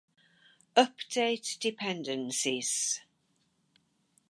Update dependencies